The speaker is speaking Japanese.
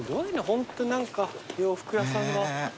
ホント何か洋服屋さんが。